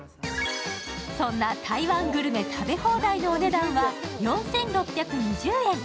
そんな台湾グルメ食べ放題のお値段は４６２０円。